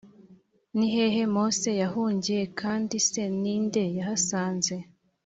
ni hehe mose yahungiye kandi se ni nde yahasanze